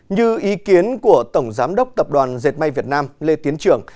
những ý kiến của tổng giám đốc tập đoàn diệt may việt nam lê tiến trưởng